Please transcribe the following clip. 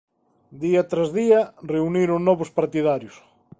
Día tras día reuniron novos partidarios.